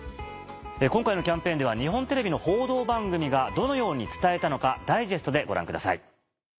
今回のキャンペーンでは日本テレビの報道番組がどのように伝えたのかダイジェストでご覧ください。